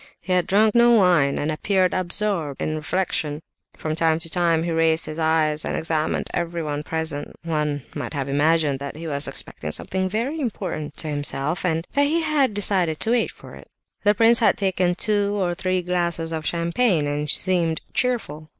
He had drunk no wine, and appeared absorbed in reflection. From time to time he raised his eyes, and examined everyone present; one might have imagined that he was expecting something very important to himself, and that he had decided to wait for it. The prince had taken two or three glasses of champagne, and seemed cheerful.